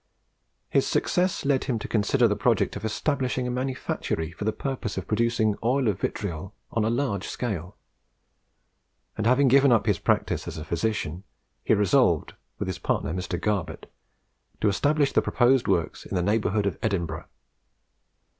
His success led him to consider the project of establishing a manufactory for the purpose of producing oil of vitriol on a large scale; and, having given up his practice as a physician, he resolved, with his partner Mr. Garbett, to establish the proposed works in the neighbourhood of Edinburgh.